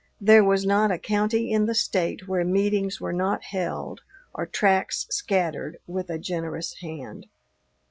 There was not a county in the State where meetings were not held or tracts scattered with a generous hand.